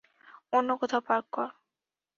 অন্য কোথাও পার্ক কর।